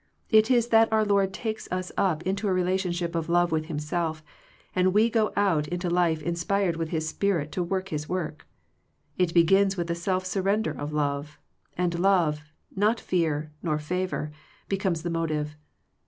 It is that our Lord takes us up into a relationship of love with Himself, and we go out into life inspired with His spirit to work His work. It begins with the self surrender of love ; and love, not fear nor favor, becomes the motive.